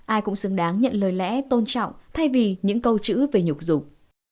ai cũng xứng đáng nhận lời lẽ tôn trọng thay vì những câu chữ về nhục dục